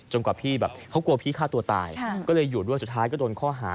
กว่าพี่แบบเขากลัวพี่ฆ่าตัวตายก็เลยอยู่ด้วยสุดท้ายก็โดนข้อหา